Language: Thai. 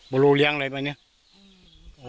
ไม่รู้เรื่องอะไรบ้านเนี่ย